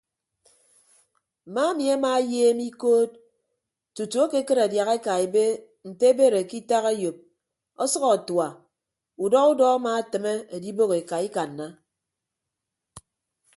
Mma emi ama ayeem ikod tutu ekekịd adiaha eka ebe nte ebere ke itak eyop ọsʌk atua udọ udọ ama atịme edibәk eka ikanna.